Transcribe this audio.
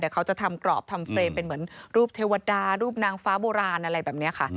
เขาจะทำกรอบทำเฟรมเป็นเหมือนรูปเทวดารูปนางฟ้าโบราณอะไรแบบนี้ค่ะ